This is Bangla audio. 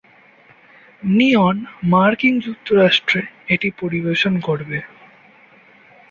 নিয়ন মার্কিন যুক্তরাষ্ট্রে এটি পরিবেশন করবে।